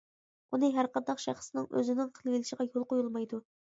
ئۇنى ھەر قانداق شەخسنىڭ ئۆزىنىڭ قىلىۋېلىشىغا يول قويۇلمايدۇ.